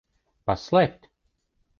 Paslēpt?